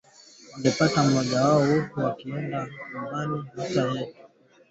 Wasikilizaji waendelea kushiriki moja kwa moja hasa katika matangazo yetu ya Sauti ya Amerika.